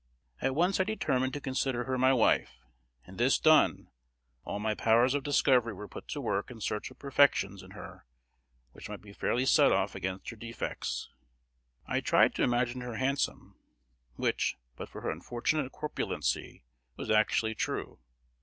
At once I determined to consider her my wife; and, this done, all my powers of discovery were put to work in search of perfections in her which might be fairly sett off against her defects. I tried to imagine her handsome, which, but for her unfortunate corpulency, was actually true.